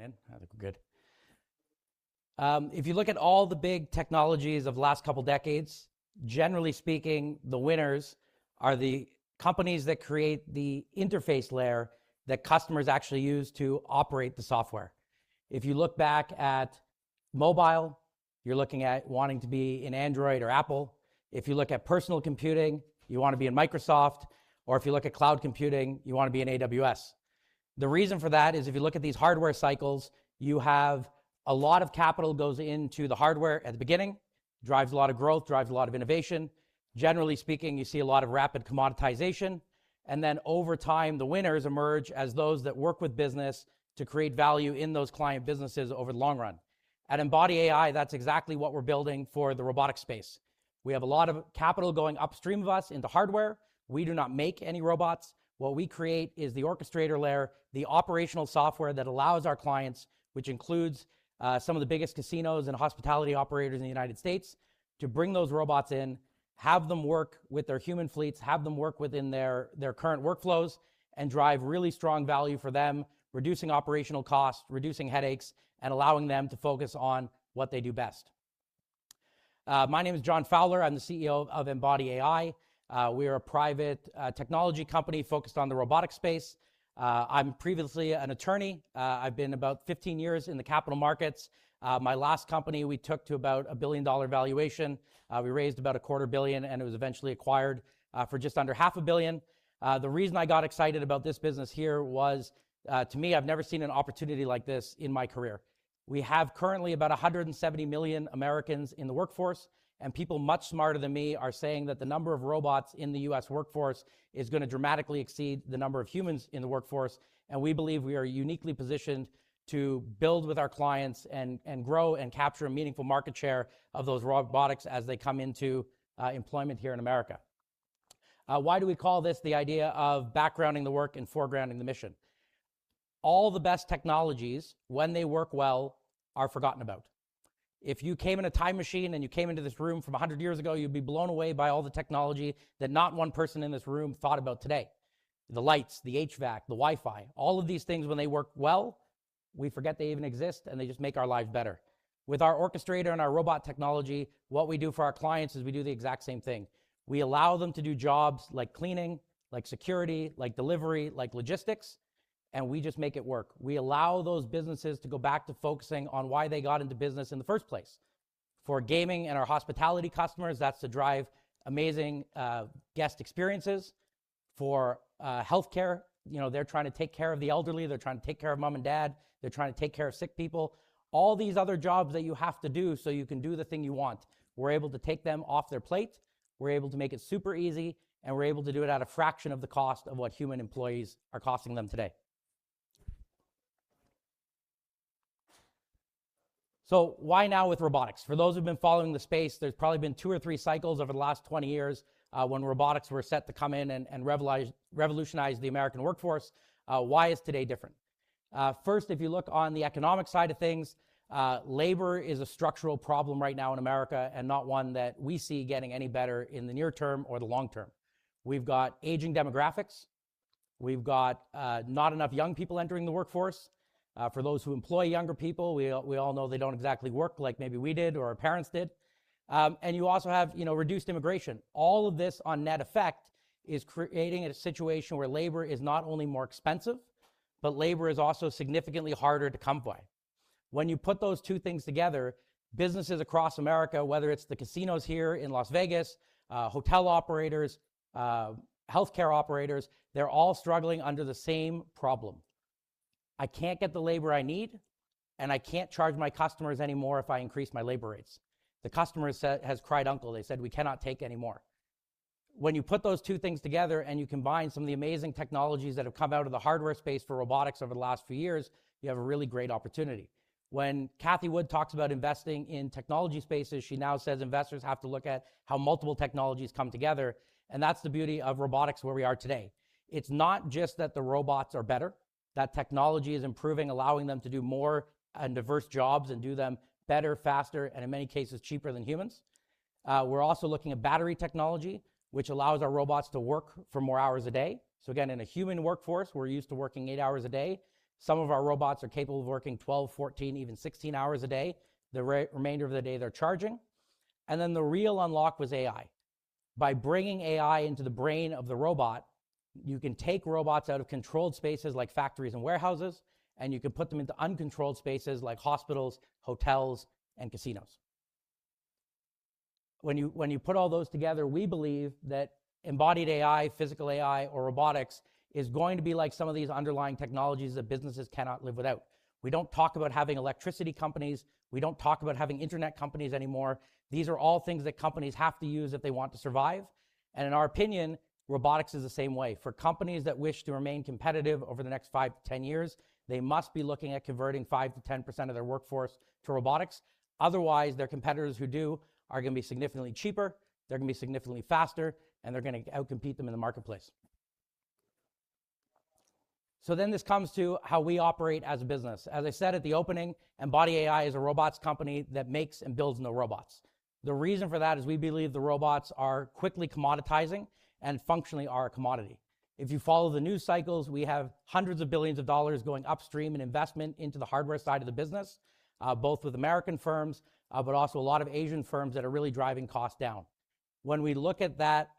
Coming in? I think we're good. If you look at all the big technologies of the last two decades, generally speaking, the winners are the companies that create the interface layer that customers actually use to operate the software. If you look back at mobile, you're looking at wanting to be in Android or Apple. If you look at personal computing, you want to be in Microsoft, or if you look at cloud computing, you want to be in AWS. The reason for that is if you look at these hardware cycles, you have a lot of capital goes into the hardware at the beginning, drives a lot of growth, drives a lot of innovation. Generally speaking, you see a lot of rapid commoditization, then over time, the winners emerge as those that work with business to create value in those client businesses over the long run. At MBody AI, that's exactly what we're building for the robotic space. We have a lot of capital going upstream of us into hardware. We do not make any robots. What we create is the orchestrator layer, the operational software that allows our clients, which includes some of the biggest casinos and hospitality operators in the U.S., to bring those robots in, have them work with their human fleets, have them work within their current workflows, drive really strong value for them, reducing operational costs, reducing headaches, and allowing them to focus on what they do best. My name is John Fowler. I'm the CEO of MBody AI. We are a private technology company focused on the robotic space. I'm previously an attorney. I've been about 15 years in the capital markets. My last company, we took to about a billion-dollar valuation. We raised about a quarter billion, it was eventually acquired for just under 500 million. The reason I got excited about this business here was, to me, I've never seen an opportunity like this in my career. We have currently about 170 million Americans in the workforce, people much smarter than me are saying that the number of robots in the U.S. workforce is going to dramatically exceed the number of humans in the workforce. We believe we are uniquely positioned to build with our clients and grow and capture a meaningful market share of those robotics as they come into employment here in America. Why do we call this the idea of backgrounding the work and foregrounding the mission? All the best technologies, when they work well, are forgotten about. If you came in a time machine and you came into this room from 100 years ago, you'd be blown away by all the technology that not one person in this room thought about today. The lights, the HVAC, the Wi-Fi, all of these things, when they work well, we forget they even exist, and they just make our lives better. With our Orchestrator and our robot technology, what we do for our clients is we do the exact same thing. We allow them to do jobs like cleaning, like security, like delivery, like logistics, we just make it work. We allow those businesses to go back to focusing on why they got into business in the first place. For gaming and our hospitality customers, that's to drive amazing guest experiences. For healthcare, they're trying to take care of the elderly, they're trying to take care of mom and dad. They're trying to take care of sick people, all these other jobs that you have to do so you can do the thing you want. We're able to take them off their plate. We're able to make it super easy, and we're able to do it at a fraction of the cost of what human employees are costing them today. Why now with robotics? For those who've been following the space, there's probably been two or three cycles over the last 20 years, when robotics were set to come in and revolutionize the American workforce. Why is today different? First, if you look on the economic side of things, labor is a structural problem right now in America and not one that we see getting any better in the near term or the long term. We've got aging demographics. We've got not enough young people entering the workforce. For those who employ younger people, we all know they don't exactly work like maybe we did or our parents did. You also have reduced immigration. All of this on net effect is creating a situation where labor is not only more expensive, but labor is also significantly harder to come by. When you put those two things together, businesses across America, whether it's the casinos here in Las Vegas, hotel operators, healthcare operators, they're all struggling under the same problem. I can't get the labor I need, and I can't charge my customers any more if I increase my labor rates. The customer has cried uncle. They said, "We cannot take anymore." When you put those two things together and you combine some of the amazing technologies that have come out of the hardware space for robotics over the last few years, you have a really great opportunity. When Cathie Wood talks about investing in technology spaces, she now says investors have to look at how multiple technologies come together, and that's the beauty of robotics where we are today. It's not just that the robots are better, that technology is improving, allowing them to do more and diverse jobs and do them better, faster, and in many cases, cheaper than humans. We're also looking at battery technology, which allows our robots to work for more hours a day. Again, in a human workforce, we're used to working eight hours a day. Some of our robots are capable of working 12, 14, even 16 hours a day. The remainder of the day, they're charging. Then the real unlock was AI. By bringing AI into the brain of the robot, you can take robots out of controlled spaces like factories and warehouses, and you can put them into uncontrolled spaces like hospitals, hotels, and casinos. When you put all those together, we believe that embodied AI, physical AI, or robotics is going to be like some of these underlying technologies that businesses cannot live without. We don't talk about having electricity companies. We don't talk about having internet companies anymore. These are all things that companies have to use if they want to survive. In our opinion, robotics is the same way. For companies that wish to remain competitive over the next 5-10 years, they must be looking at converting 5%-10% of their workforce to robotics. Otherwise, their competitors who do are going to be significantly cheaper, they're going to be significantly faster, and they're going to outcompete them in the marketplace. This comes to how we operate as a business. As I said at the opening, MBody AI is a robots company that makes and builds no robots. The reason for that is we believe the robots are quickly commoditizing and functionally are a commodity. If you follow the news cycles, we have hundreds of billions of dollars going upstream in investment into the hardware side of the business, both with American firms, but also a lot of Asian firms that are really driving costs down. When we look at that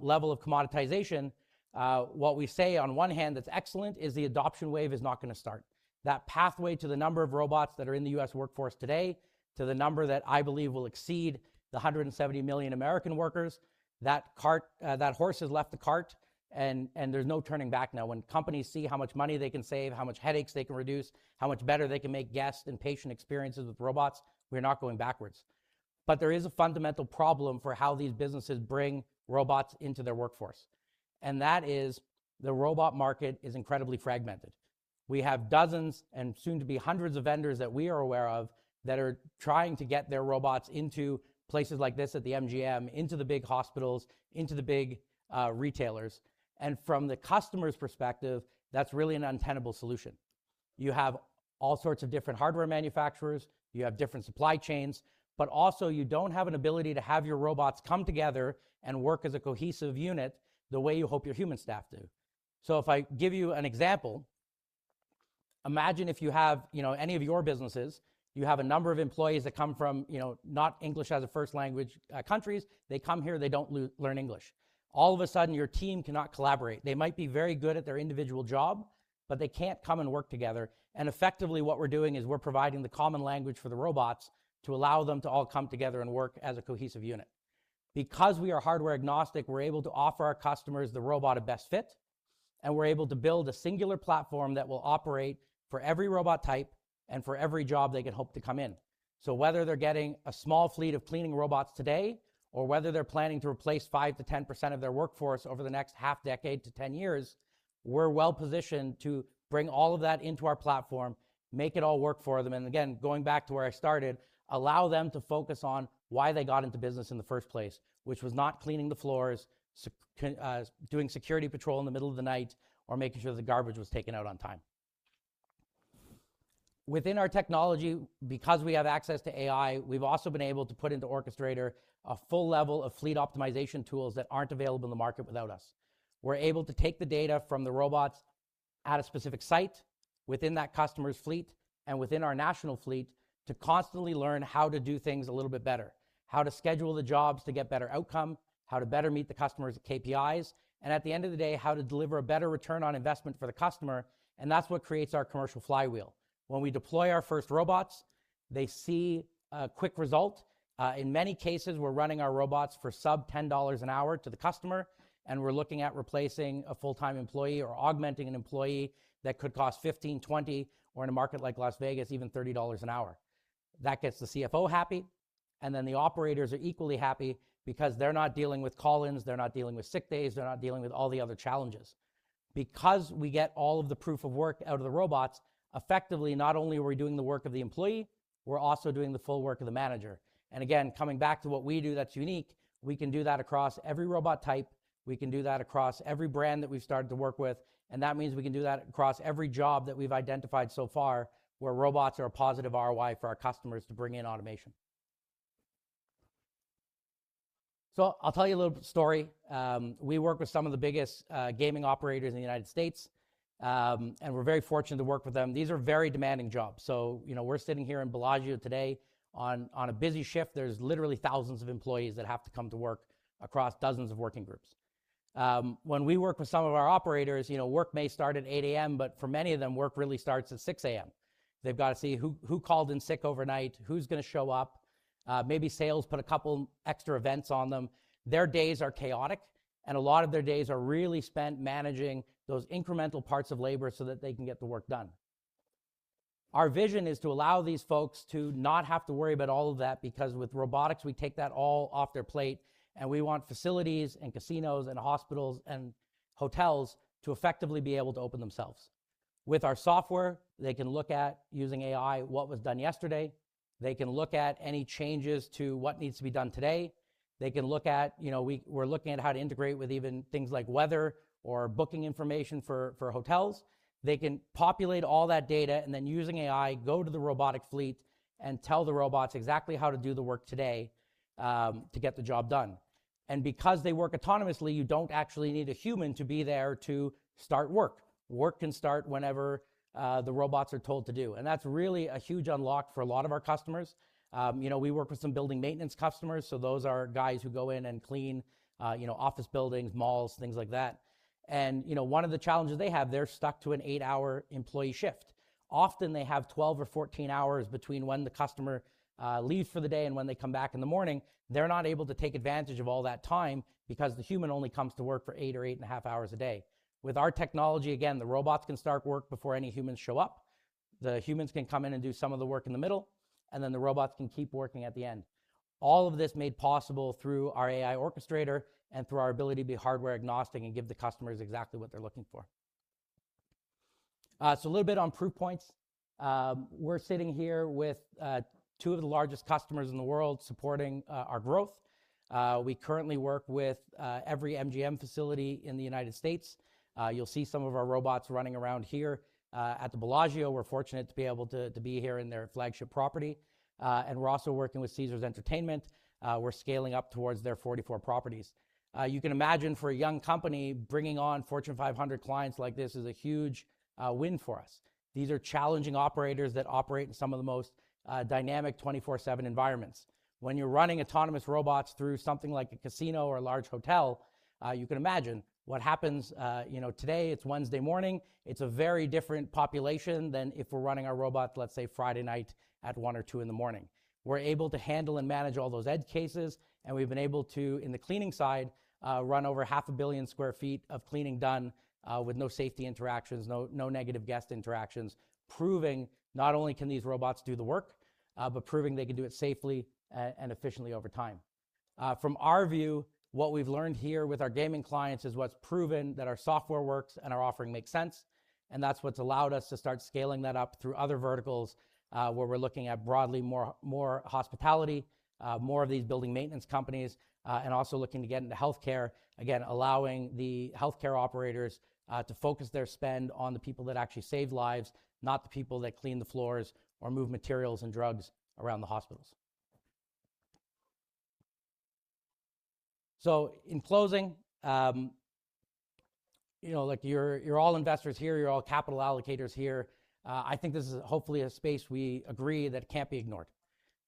level of commoditization, what we say on one hand that's excellent is the adoption wave is not going to start. That pathway to the number of robots that are in the U.S. workforce today, to the number that I believe will exceed the 170 million American workers, that horse has left the cart, and there's no turning back now. When companies see how much money they can save, how much headaches they can reduce, how much better they can make guest and patient experiences with robots, we're not going backwards. There is a fundamental problem for how these businesses bring robots into their workforce. That is the robot market is incredibly fragmented. We have dozens and soon to be hundreds of vendors that we are aware of that are trying to get their robots into places like this at the MGM, into the big hospitals, into the big retailers. From the customer's perspective, that's really an untenable solution. You have all sorts of different hardware manufacturers, you have different supply chains, but also you don't have an ability to have your robots come together and work as a cohesive unit the way you hope your human staff do. If I give you an example, imagine if you have any of your businesses, you have a number of employees that come from not English-as-a-first-language countries. They come here, they don't learn English. All of a sudden, your team cannot collaborate. They might be very good at their individual job, but they can't come and work together. Effectively what we're doing is we're providing the common language for the robots to allow them to all come together and work as a cohesive unit. Because we are hardware agnostic, we're able to offer our customers the robot of best fit, and we're able to build a singular platform that will operate for every robot type and for every job they could hope to come in. Whether they're getting a small fleet of cleaning robots today, or whether they're planning to replace 5%-10% of their workforce over the next half decade to 10 years, we're well-positioned to bring all of that into our platform, make it all work for them, and again, going back to where I started, allow them to focus on why they got into business in the first place, which was not cleaning the floors, doing security patrol in the middle of the night, or making sure the garbage was taken out on time. Within our technology, because we have access to AI, we've also been able to put into Orchestrator a full level of fleet optimization tools that aren't available in the market without us. We're able to take the data from the robots at a specific site within that customer's fleet and within our national fleet to constantly learn how to do things a little bit better, how to schedule the jobs to get better outcome, how to better meet the customer's KPIs, and at the end of the day, how to deliver a better return on investment for the customer, and that's what creates our commercial flywheel. When we deploy our first robots, they see a quick result. In many cases, we're running our robots for sub $10 an hour to the customer, and we're looking at replacing a full-time employee or augmenting an employee that could cost $15, $20, or in a market like Las Vegas, even $30 an hour. That gets the Chief Financial Officer happy, then the operators are equally happy because they're not dealing with call-ins, they're not dealing with sick days, they're not dealing with all the other challenges. We get all of the proof of work out of the robots, effectively, not only are we doing the work of the employee, we're also doing the full work of the manager. Again, coming back to what we do that's unique, we can do that across every robot type. We can do that across every brand that we've started to work with. That means we can do that across every job that we've identified so far, where robots are a positive ROI for our customers to bring in automation. I'll tell you a little story. We work with some of the biggest gaming operators in the U.S., and we're very fortunate to work with them. These are very demanding jobs. We're sitting here in Bellagio today on a busy shift. There's literally thousands of employees that have to come to work across dozens of working groups. When we work with some of our operators, work may start at 8:00 A.M., but for many of them, work really starts at 6:00 A.M. They've got to see who called in sick overnight, who's going to show up. Maybe sales put a couple extra events on them. Their days are chaotic and a lot of their days are really spent managing those incremental parts of labor so that they can get the work done. Our vision is to allow these folks to not have to worry about all of that, because with robotics, we take that all off their plate, and we want facilities and casinos and hospitals and hotels to effectively be able to open themselves. With our software, they can look at using AI, what was done yesterday. They can look at any changes to what needs to be done today. We're looking at how to integrate with even things like weather or booking information for hotels. They can populate all that data using AI, go to the robotic fleet and tell the robots exactly how to do the work today, to get the job done. Because they work autonomously, you don't actually need a human to be there to start work. Work can start whenever the robots are told to do, that's really a huge unlock for a lot of our customers. We work with some building maintenance customers, those are guys who go in and clean office buildings, malls, things like that. One of the challenges they have, they're stuck to an eight-hour employee shift. Often, they have 12 or 14 hours between when the customer leaves for the day and when they come back in the morning. They're not able to take advantage of all that time because the human only comes to work for eight or eight and a half hours a day. With our technology, again, the robots can start work before any humans show up. The humans can come in and do some of the work in the middle, the robots can keep working at the end. All of this made possible through our MBody AI Orchestrator and through our ability to be hardware agnostic and give the customers exactly what they're looking for. A little bit on proof points. We're sitting here with two of the largest customers in the world supporting our growth. We currently work with every MGM facility in the U.S. You'll see some of our robots running around here at the Bellagio. We're fortunate to be able to be here in their flagship property. We're also working with Caesars Entertainment. We're scaling up towards their 44 properties. You can imagine for a young company, bringing on Fortune 500 clients like this is a huge win for us. These are challenging operators that operate in some of the most dynamic 24/7 environments. When you're running autonomous robots through something like a casino or a large hotel, you can imagine what happens. Today, it's Wednesday morning, it's a very different population than if we're running our robot, let's say, Friday night at 1:00 A.M. or 2:00 A.M. We're able to handle and manage all those edge cases, we've been able to, in the cleaning side, run over half a billion sq ft of cleaning done with no safety interactions, no negative guest interactions, proving not only can these robots do the work, but proving they can do it safely and efficiently over time. From our view, what we've learned here with our gaming clients is what's proven that our software works and our offering makes sense, and that's what's allowed us to start scaling that up through other verticals, where we're looking at broadly more hospitality, more of these building maintenance companies, and also looking to get into healthcare, again, allowing the healthcare operators to focus their spend on the people that actually save lives, not the people that clean the floors or move materials and drugs around the hospitals. In closing, look, you're all investors here. You're all capital allocators here. I think this is hopefully a space we agree that can't be ignored.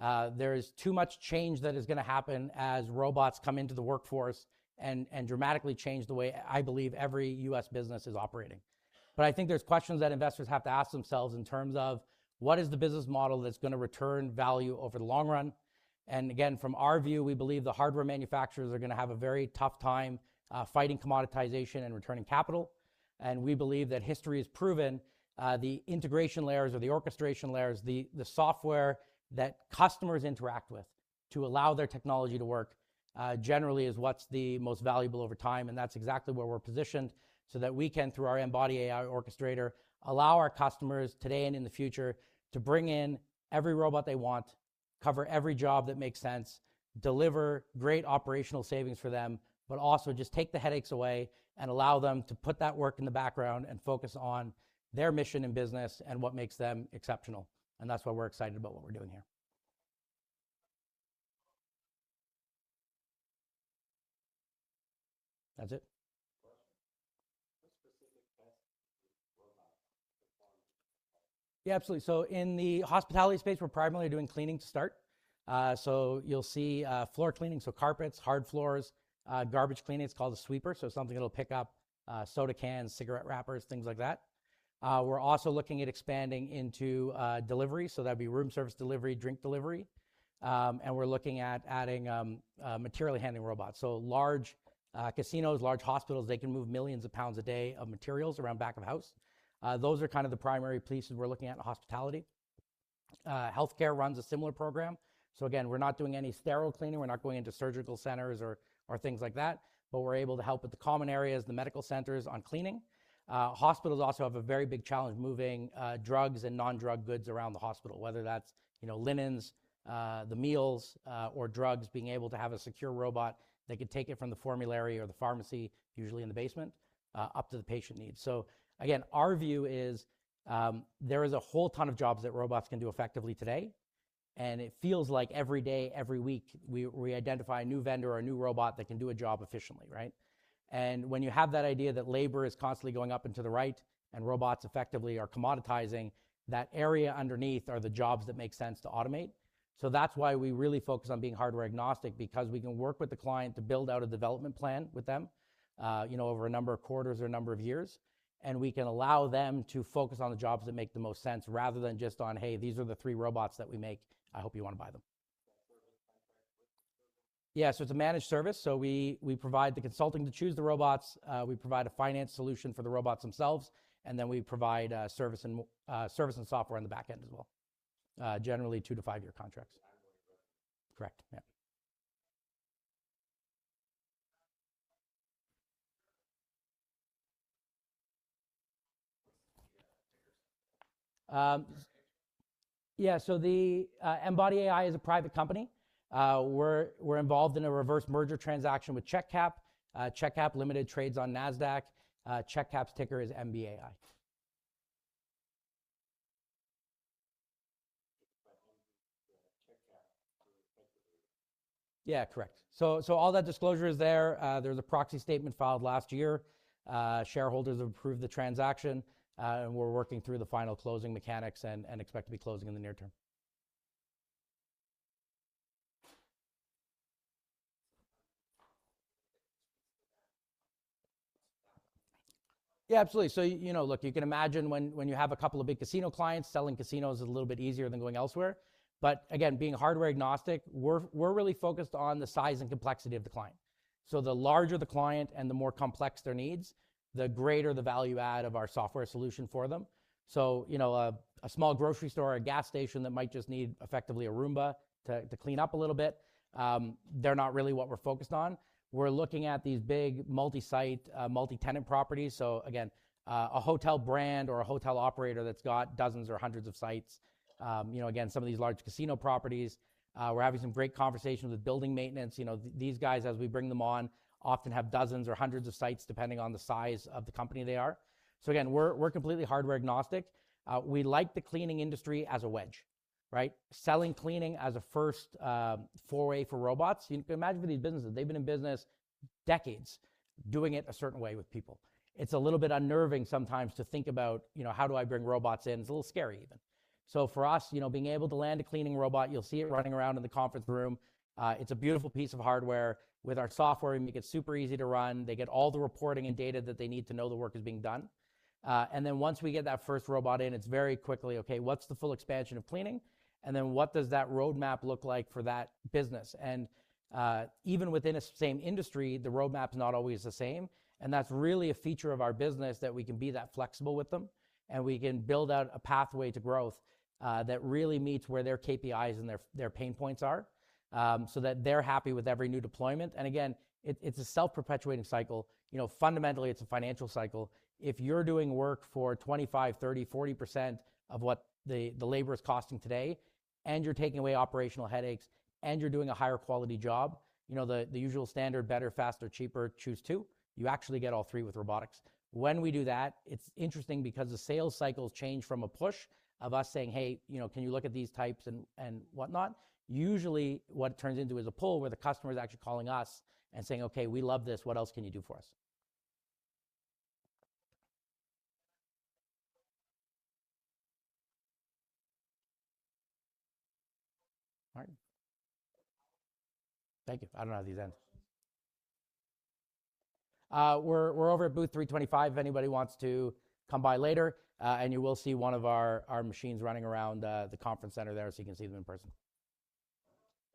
There's too much change that is going to happen as robots come into the workforce and dramatically change the way I believe every U.S. business is operating. I think there's questions that investors have to ask themselves in terms of what is the business model that's going to return value over the long run, and again, from our view, we believe the hardware manufacturers are going to have a very tough time fighting commoditization and returning capital. We believe that history has proven the integration layers or the orchestration layers, the software that customers interact with to allow their technology to work, generally is what's the most valuable over time, and that's exactly where we're positioned so that we can, through our MBody AI Orchestrator, allow our customers today and in the future to bring in every robot they want, cover every job that makes sense, deliver great operational savings for them, but also just take the headaches away and allow them to put that work in the background and focus on their mission and business and what makes them exceptional. That's why we're excited about what we're doing here. That's it. Question. What specific tasks do these robots perform? Yeah, absolutely. In the hospitality space, we're primarily doing cleaning to start. You'll see floor cleaning, so carpets, hard floors, garbage cleaning. It's called a sweeper, something that'll pick up soda cans, cigarette wrappers, things like that. We're also looking at expanding into delivery, that'd be room service delivery, drink delivery. We're looking at adding material handling robots. Large casinos, large hospitals, they can move millions of pounds a day of materials around back of house. Those are kind of the primary places we're looking at in hospitality. Healthcare runs a similar program. Again, we're not doing any sterile cleaning. We're not going into surgical centers or things like that, but we're able to help with the common areas, the medical centers on cleaning. Hospitals also have a very big challenge moving drugs and non-drug goods around the hospital, whether that's linens, the meals, or drugs, being able to have a secure robot that could take it from the formulary or the pharmacy, usually in the basement, up to the patient needs. Again, our view is there is a whole ton of jobs that robots can do effectively today, and it feels like every day, every week, we identify a new vendor or a new robot that can do a job efficiently, right? When you have that idea that labor is constantly going up and to the right and robots effectively are commoditizing that area underneath are the jobs that make sense to automate. That's why we really focus on being hardware agnostic because we can work with the client to build out a development plan with them over a number of quarters or a number of years. We can allow them to focus on the jobs that make the most sense rather than just on, "Hey, these are the three robots that we make. I hope you want to buy them." Yeah. It's a managed service, so we provide the consulting to choose the robots. We provide a finance solution for the robots themselves, and then we provide service and software on the back end as well. Generally, two to five-year contracts. Correct. Yeah. Yeah. The MBody AI is a private company. We're involved in a reverse merger transaction with Check-Cap. Check-Cap Ltd. trades on Nasdaq. Check-Cap's ticker is MBAI. Check-Cap Yeah, correct. All that disclosure is there. There's a proxy statement filed last year. Shareholders have approved the transaction. We're working through the final closing mechanics and expect to be closing in the near term. Yeah, absolutely. Look, you can imagine when you have a couple of big casino clients, selling casinos is a little bit easier than going elsewhere. Again, being hardware agnostic, we're really focused on the size and complexity of the client. The larger the client and the more complex their needs, the greater the value add of our software solution for them. A small grocery store or a gas station that might just need effectively a Roomba to clean up a little bit, they're not really what we're focused on. We're looking at these big multi-site, multi-tenant properties. Again, a hotel brand or a hotel operator that's got dozens or hundreds of sites. Again, some of these large casino properties. We're having some great conversations with building maintenance. These guys, as we bring them on, often have dozens or hundreds of sites, depending on the size of the company they are. Again, we're completely hardware agnostic. We like the cleaning industry as a wedge, right? Selling cleaning as a first foray for robots. Imagine these businesses, they've been in business decades doing it a certain way with people. It's a little bit unnerving sometimes to think about, how do I bring robots in? It's a little scary even. For us, being able to land a cleaning robot, you'll see it running around in the conference room. It's a beautiful piece of hardware. With our software, we make it super easy to run. They get all the reporting and data that they need to know the work is being done. Once we get that first robot in, it's very quickly, okay, what's the full expansion of cleaning? What does that roadmap look like for that business? Even within the same industry, the roadmap's not always the same. That's really a feature of our business, that we can be that flexible with them, and we can build out a pathway to growth, that really meets where their KPIs and their pain points are, so that they're happy with every new deployment. Again, it's a self-perpetuating cycle. Fundamentally, it's a financial cycle. If you're doing work for 25%, 30%, 40% of what the labor is costing today, and you're taking away operational headaches, and you're doing a higher quality job, the usual standard, better, faster, cheaper, choose two, you actually get all three with robotics. When we do that, it's interesting because the sales cycles change from a push of us saying, "Hey, can you look at these types and whatnot?" Usually what it turns into is a pull where the customer's actually calling us and saying, "Okay, we love this. What else can you do for us?" All right. Thank you. I don't know how these end. We're over at Booth 325 if anybody wants to come by later, you will see one of our machines running around the conference center there, so you can see them in person.